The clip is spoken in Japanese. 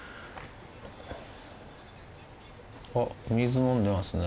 あっ水飲んでますね。